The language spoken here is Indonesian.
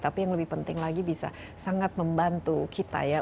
tapi yang lebih penting lagi bisa sangat membantu kita ya